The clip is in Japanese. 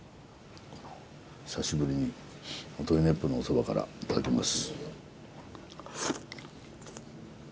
久しぶりに音威子府のおそばからいただきます。